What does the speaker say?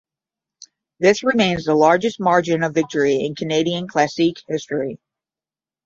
This remains the largest margin of victory in Canadian Classique history.